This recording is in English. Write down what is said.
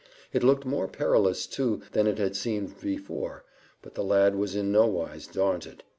It looked more perilous too than it had seemed before, but the lad was in nowise daunted.